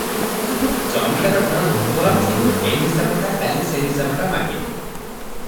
ଜମିଦାର-ଘର ଲୋକ ଆସି ଏ ହିସାବଟା, କାଲି ସେ ହିସାବଟା ମାଗେ ।